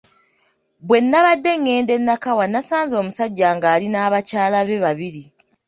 Bwe nabadde ngenda e Nakawa nasanze omusajja ng'ali n'abakyala be babiri.